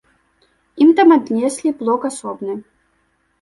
Ім там аднеслі блок асобны.